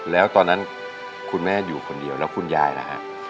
แล้วตอนนั้นคุณแม่อยู่คนเดียวแล้วคุณยายล่ะฮะ